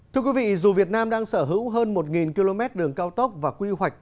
thưa quý vị dù việt nam đang sở hữu hơn một km đường cao tốc và quy hoạch